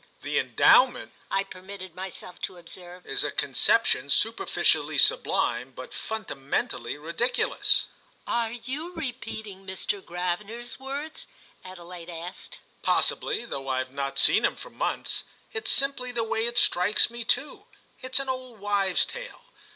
"The Endowment," I permitted myself to observe, "is a conception superficially sublime, but fundamentally ridiculous." "Are you repeating Mr. Gravener's words?" Adelaide asked. "Possibly, though I've not seen him for months. It's simply the way it strikes me too. It's an old wife's tale.